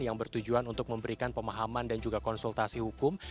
yang bertujuan untuk memberikan pemahaman dan juga konsultasi hukum